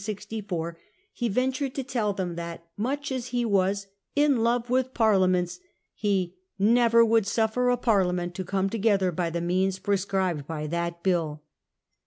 1664 he ventured to tell them that, much as he was 1 in love with Parliaments/ he 'never would suffer a Parliament to come together by the means prescribed by that bill.